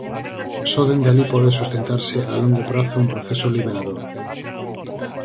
Só dende alí pode sustentarse a longo prazo un proceso liberador.